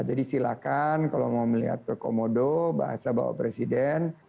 jadi silakan kalau mau melihat ke komodo bahasa bapak presiden